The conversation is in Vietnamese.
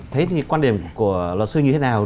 thế thì quan điểm của luật sư như thế nào